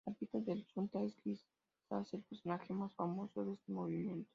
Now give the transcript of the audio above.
La Pita de la Xunta es quizás el personaje más famoso de este movimiento.